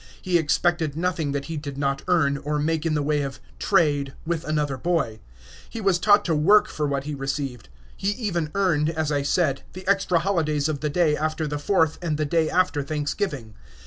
He expected nothing that he did not earn, or make in the way of "trade" with another boy. He was taught to work for what he received. He even earned, as I said, the extra holidays of the day after the Fourth and the day after Thanksgiving.